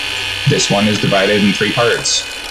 This one is divided in three parts.